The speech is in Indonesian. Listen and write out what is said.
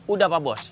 udah pak bos